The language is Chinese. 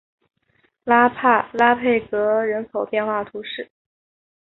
拉佩格人口变化图示